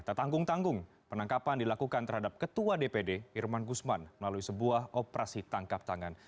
tetanggung tanggung penangkapan dilakukan terhadap ketua dpd irman guzman melalui sebuah operasi tangkap tangan